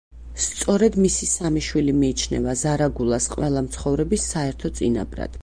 სწორედ მისი სამი შვილი მიიჩნევა ზარაგულას ყველა მცხოვრების საერთო წინაპრად.